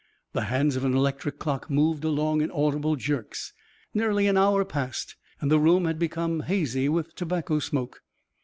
The hands of an electric clock moved along in audible jerks. Nearly an hour passed and the room had become hazy with tobacco smoke.